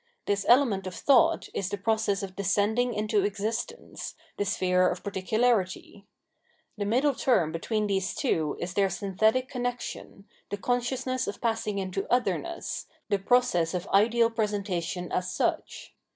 This element of thought is the process of descending into existence, the sphere of particularity. The middle term between these two is their synthetic connexion, the consciousness of passing into otherness, the process of ideal presentation as such.